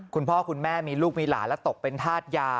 คุณพ่อคุณแม่มีลูกมีหลานและตกเป็นธาตุยา